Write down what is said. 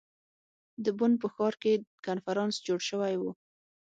د بن په ښار کې کنفرانس جوړ شوی ؤ.